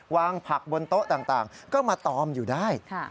ผักบนโต๊ะต่างก็มาตอมอยู่ได้